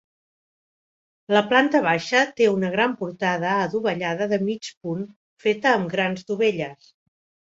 La planta baixa té una gran portada adovellada de mig punt feta amb grans dovelles.